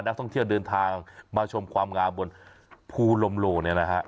นักท่องเที่ยวเดินทางมาชมความงามบนภูลมโลเนี่ยนะฮะ